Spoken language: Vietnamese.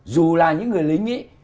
dù là những người lính ấy